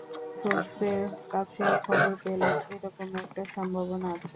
সোর্সের কাছে খবর পেলাম এরকম একটা সম্ভাবনা আছে।